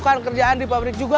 bukan kerjaan di pabrik juga